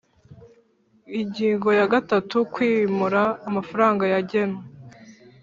Ingingo ya gatatu Kwimura amafaranga yagenwe